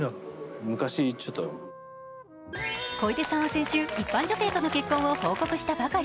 小出さんは先週、一般女性との結婚を報告したばかり。